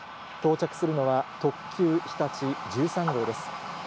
到着するのは、特急ひたち１３号です。